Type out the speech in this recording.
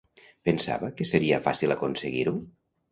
Pensava que seria fàcil aconseguir-ho?